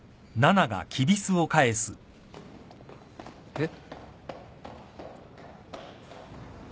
えっ？